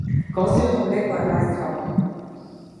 Козјото млеко е најздраво.